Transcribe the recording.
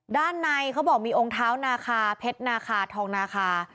ด้านในเขาบอกมีองค์เท้านาคาเพชรนาคาทองนาคา